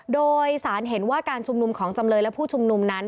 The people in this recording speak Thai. โดยสารเห็นว่าการชุมนุมของจำเลยและผู้ชุมนุมนั้น